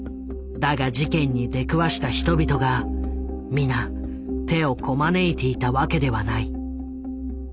だが事件に出くわした人々が皆手をこまねいていたわけではない。